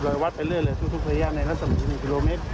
วัดไปเรื่อยเลยทุกระยะในรัศมี๑กิโลเมตร